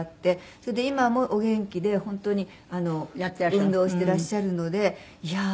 それで今もお元気で本当に運動してらっしゃるのでいやー